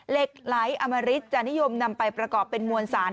เหล็กไหลอมริตจะนิยมนำไปประกอบเป็นมวลสาร